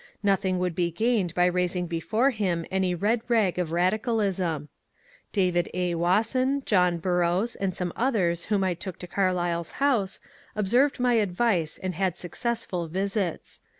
Nothing would be gained by raising before him any red rag of Radicalism. David A. Wasson, John Burroughs, and some others whom I took to Carlyle*s house, observed my advice and had successful visits.